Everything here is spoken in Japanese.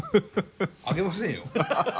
あげませんよ。